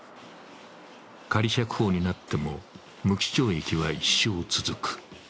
仮釈放になっても無期懲役は一生続く。